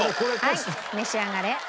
はい召し上がれ。